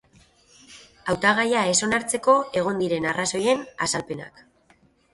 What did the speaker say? Hautagaia ez onartzeko egon diren arrazoien azalpenak.